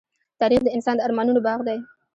تاریخ د انسان د ارمانونو باغ دی.